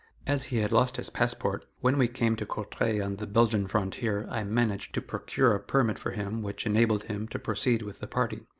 As he had lost his passport, when we came to Courtrai on the Belgian frontier, I managed to procure a permit for him which enabled him to proceed with the party.